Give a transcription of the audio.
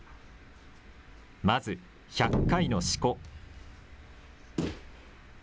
まず１００回のしこ。